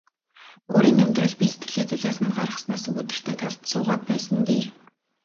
Өөрийн амьдрал бие сэтгэлээ золиосонд гаргаснаас сүүдэртэй талд суугаад байсан нь дээр.